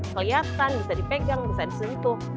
kelihatan bisa dipegang bisa disentuh